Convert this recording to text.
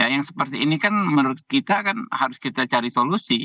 yang seperti ini kan menurut kita kan harus kita cari solusi